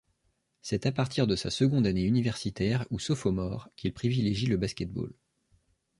C'est à partir de sa seconde année universitaire, ou sophomore, qu'il privilégie le basket-ball.